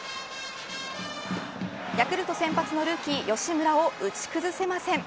ヤクルト先発のルーキー吉村を打ち崩せません。